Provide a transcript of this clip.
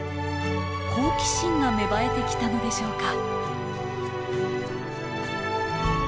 好奇心が芽生えてきたのでしょうか。